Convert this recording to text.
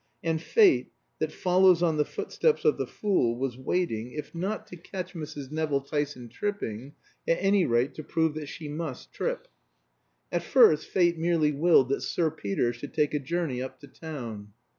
And Fate, that follows on the footsteps of the fool, was waiting, if not to catch Mrs. Nevill Tyson tripping, at any rate to prove that she must trip. At first Fate merely willed that Sir Peter should take a journey up to town.